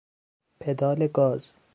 پدال گاز